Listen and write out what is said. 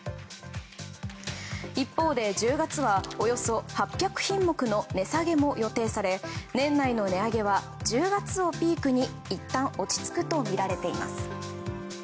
一方で、１０月はおよそ８００品目の値下げも予定され年内の値上げは１０月をピークにいったん落ち着くとみられています。